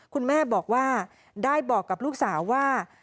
คุณแม่ได้บอกกับลูกสาวว่า